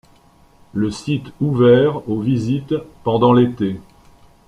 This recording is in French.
Le site ouvert aux visites pendant l'été.